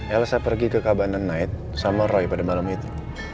elsa pergi ke kabanan night sama roy pada malam itu